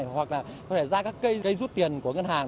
hoặc là có thể ra các cây gây rút tiền của ngân hàng